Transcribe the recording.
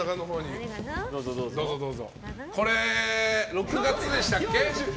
６月でしたっけ。